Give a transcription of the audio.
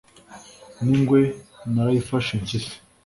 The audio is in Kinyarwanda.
n'ingwe narayifashe impyisi